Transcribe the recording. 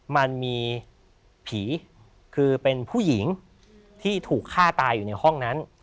มันมีผีคือเป็นผู้หญิงที่ถูกฆ่าตายอยู่ในห้องนั้น